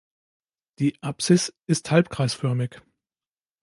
Die Apsis ist halbkreisförmig.